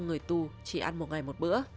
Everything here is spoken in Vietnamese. người tu chỉ ăn một ngày một bữa